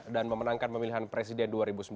dan memenangkan pemilihan presiden dua ribu sembilan belas